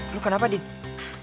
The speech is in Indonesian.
lo kenapa din